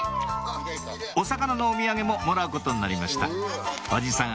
お魚のお土産ももらうことになりましたおじさん